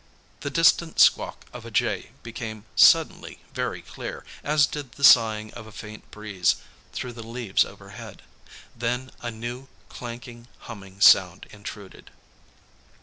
The distant squawk of a jay became suddenly very clear, as did the sighing of a faint breeze through the leaves overhead. Then a new, clanking, humming sound intruded.